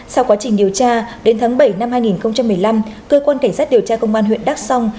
sau quá trình điều tra đến tháng bảy năm hai nghìn một mươi năm cơ quan cảnh sát điều tra công an huyện đắk song